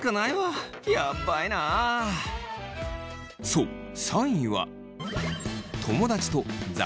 そう３位は来た。